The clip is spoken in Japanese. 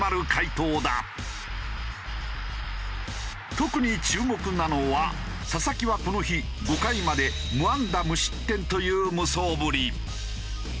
特に注目なのは佐々木はこの日５回まで無安打無失点という無双ぶり。